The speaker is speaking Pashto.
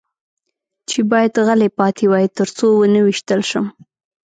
چې باید غلی پاتې وای، تر څو و نه وېشتل شم.